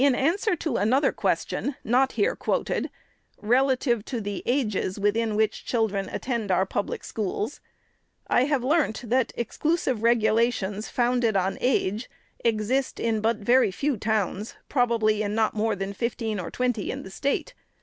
lu answer to another question, not here quoted, relative to the ages within which children attend our public schoots, I have learnt, that exclusive regulations, founded on age, exist in but very few towns — probably in not more than fifteen or twenty — in the State.